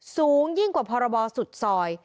สูงยิ่งกว่าพรบสุดซอย